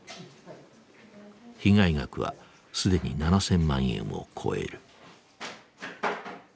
被害額は既に７，０００万円を超える。